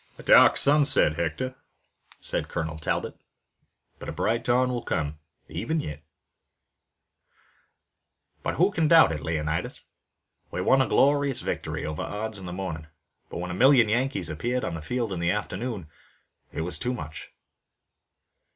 "A dark sunset, Hector," said Colonel Talbot, "but a bright dawn will come, even yet." "Who can doubt it, Leonidas? We won a glorious victory over odds in the morning, but when a million Yankees appeared on the field in the afternoon it was too much."